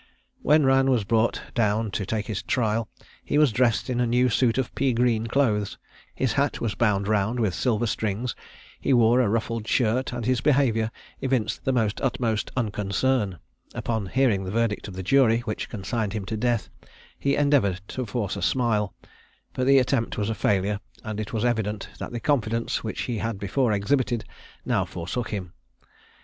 When Rann was brought down to take his trial he was dressed in a new suit of pea green clothes; his hat was bound round with silver strings; he wore a ruffled shirt, and his behaviour evinced the utmost unconcern. Upon hearing the verdict of the jury, which consigned him to death, he endeavoured to force a smile, but the attempt was a failure, and it was evident that the confidence which he had before exhibited, now forsook him.